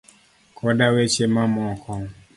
koda weche mamoko.